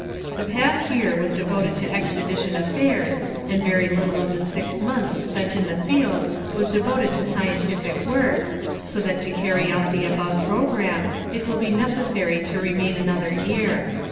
The past, year was devoted to expedition affairs and very little of the six months spent in the field was devoted to scientific work, so that to carry out the above program it will be necessary to remain another year.